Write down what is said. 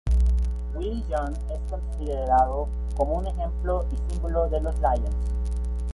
Willie John es considerado como un ejemplo y símbolo de los Lions.